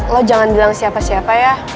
lo jangan bilang siapa siapa ya